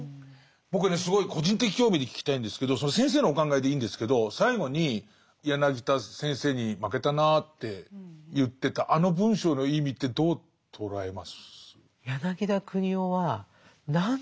僕はねすごい個人的興味で聞きたいんですけど先生のお考えでいいんですけど最後に柳田先生に負けたなって言ってたあの文章の意味ってどう捉えます？